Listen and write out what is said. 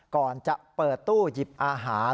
ก่อนจะเปิดตู้หยิบอาหาร